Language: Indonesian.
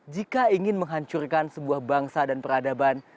jika ingin menghancurkan sebuah bangsa dan peradaban